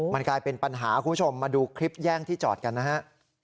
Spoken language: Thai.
มันกลายเป็นปัญหาคุณผู้ชมมาดูคลิปแย่งที่จอดกันนะฮะ